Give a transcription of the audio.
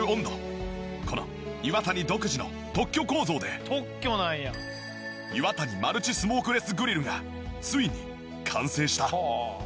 このイワタニ独自の特許構造でイワタニマルチスモークレスグリルがついに完成した。